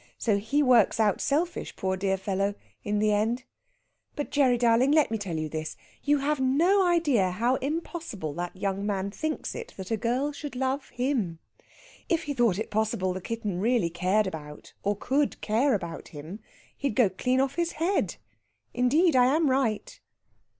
So he works out selfish, poor dear fellow! in the end. But, Gerry darling, let me tell you this: you have no idea how impossible that young man thinks it that a girl should love him. If he thought it possible the kitten really cared about, or could care about him, he'd go clean off his head. Indeed, I am right."